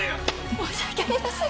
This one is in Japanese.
申し訳ありません。